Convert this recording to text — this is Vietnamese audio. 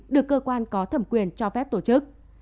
được cơ quan có thẩm quyền cho phép tổ chức